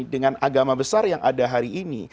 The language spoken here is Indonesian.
dengan agama besar yang ada hari ini